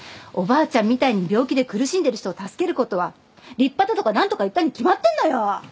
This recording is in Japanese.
おばあちゃんみたいに病気で苦しんでる人を助けることは立派だとか何とか言ったに決まってんのよ。